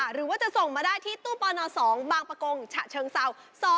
หรือว่าจะส่งมาได้ที่ตู้ปน๒บางประกงฉะเชิงเศร้า